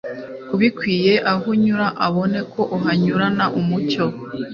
ubikwiye aho unyura abone ko uhanyurana umucyo.